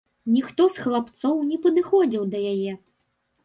Ніхто з хлапцоў не падыходзіў да яе.